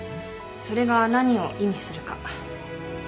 それが何を意味するか。